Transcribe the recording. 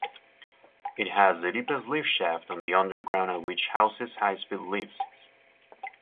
It has the deepest lift shaft on the Underground at which houses high-speed lifts.